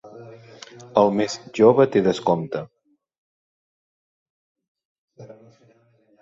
El més jove té descompte.